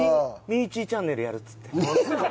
ミーチーチャンネルやるっつって。